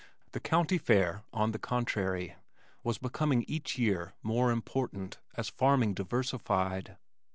The County Fair on the contrary was becoming each year more important as farming diversified.